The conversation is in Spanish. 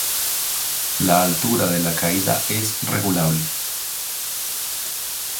La altura de la caída es regulable.